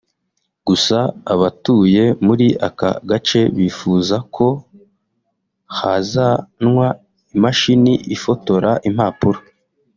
Gusa abatuye muri aka gace bifuza ko hazanwa imashini ifotora impapuro